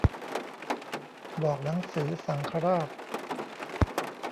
บอกหนังสือสังฆราช